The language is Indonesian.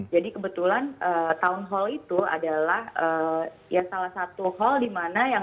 jadi kebetulan town hall itu adalah salah satu hall dimana yang